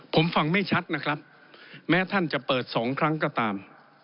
ผมฟังไม่ชัดนะครับแม้ท่านจะเปิดสองครั้งก็ตาม